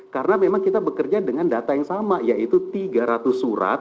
karena memang kita bekerja dengan data yang sama yaitu tiga ratus surat